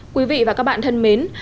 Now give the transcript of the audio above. quý vị và các bạn thân mến